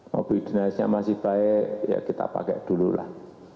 mobil dinasnya masih baik ya kita pakai dululah